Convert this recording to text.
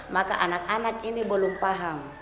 maka anak anak ini belum paham